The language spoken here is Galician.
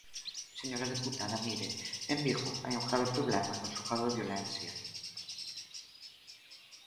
Señora deputada, mire, en Vigo hai un grave problema no xulgado de violencia.